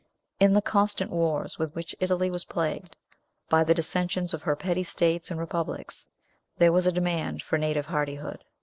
In the constant wars with which Italy was plagued, by the dissensions of her petty states and republics, there was a demand for native hardihood.